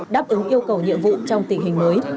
đáp ứng yêu cầu nhiệm vụ trong tình hình mới